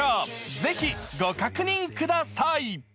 ぜひ、ご確認ください。